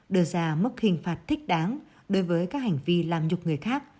đưa ra mức hình phạt thích đáng đối với các hành vi làm nhục người khác